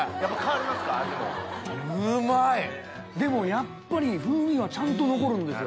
でもやっぱり風味はちゃんと残るんですよ。